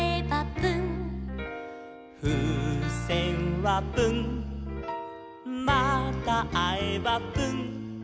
「ふうせんはプンまたあえばプン」